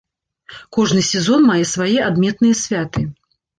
Кожны сезон мае свае адметныя святы.